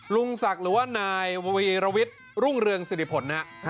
ลุงศักดิ์หรือว่านายวีรวิทย์รุ่งเรืองสิริผลนะฮะ